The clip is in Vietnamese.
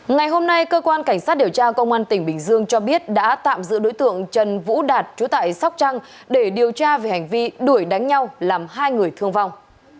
ngày hôm nay cơ quan cảnh sát điều tra công an tỉnh bình dương cho biết đã tạm giữ đối tượng trần vũ đạt chú tại sóc trăng để điều tra về hành vi đuổi đánh nhau làm hai người thương vong